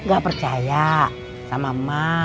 gak percaya sama ma